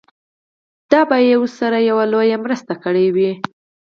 دا به يې ورسره يوه لويه مرسته کړې وي.